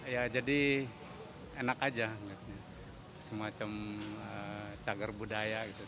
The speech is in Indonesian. ya jadi enak aja semacam cagar budaya gitu